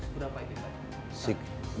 berapa itu pak